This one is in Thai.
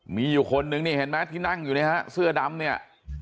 มีอยู่คนนึงนี่เห็นไหมที่นั่งอยู่เนี่ยฮะเสื้อดำเนี่ย